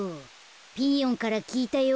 ピーヨンからきいたよ